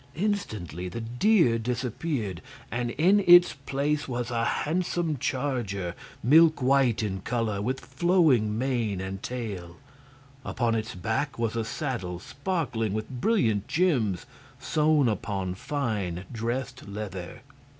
Instantly the deer disappeared, and in its place was a handsome charger, milk white in color, with flowing mane and tail. Upon its back was a saddle sparkling with brilliant gems sewn upon fine dressed leather.